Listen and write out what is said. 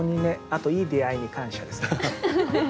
あといい出会いに感謝ですね。